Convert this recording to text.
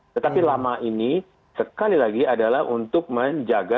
tetapi lama ini sekali lagi adalah untuk menjaga